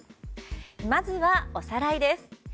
まずは、おさらいです。